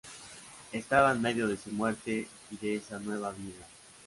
Estaba en medio de su muerte y de esa nueva vida.